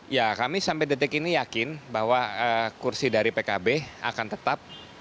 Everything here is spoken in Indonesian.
ya kami sampai detik ini yakin bahwa kursi dari pkb akan tetap